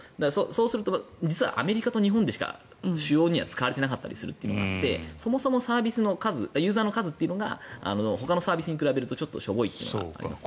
そうすると実はアメリカと日本でしか主要に使われていないということもあってそもそもサービスの数ユーザーの数がほかのサービスに比べるとちょっとしょぼいというのがあります。